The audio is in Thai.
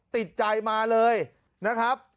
ติดใจมาเลยนะครับ